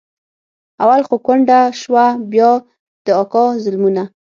اول خو کونډه سوه بيا د اکا ظلمونه.